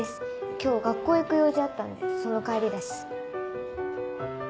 今日学校行く用事あったんでその帰りだし。